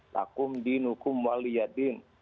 takum dinukum wali adin